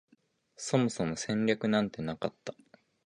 そもそも戦略なんてなかった